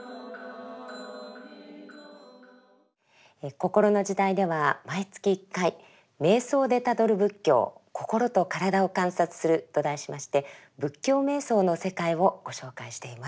「こころの時代」では毎月１回「瞑想でたどる仏教心と身体を観察する」と題しまして仏教瞑想の世界をご紹介しています。